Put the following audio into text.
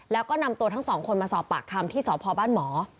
แล้วก็นำตัวทั้งสองคนมาสอบปากคำที่สพบ้านหมอ